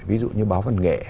ví dụ như báo văn nghệ